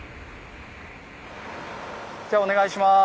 じゃあお願いします。